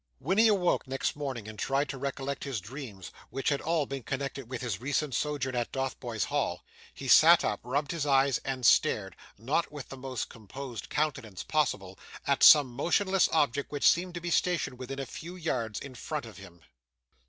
When he awoke next morning, and tried to recollect his dreams, which had been all connected with his recent sojourn at Dotheboys Hall, he sat up, rubbed his eyes and stared not with the most composed countenance possible at some motionless object which seemed to be stationed within a few yards in front of him.